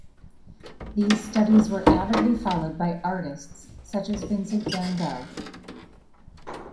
These studies were avidly followed by artists such as Vincent van Gogh.